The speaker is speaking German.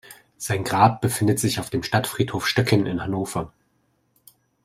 Sein Grab befindet sich auf dem Stadtfriedhof Stöcken in Hannover.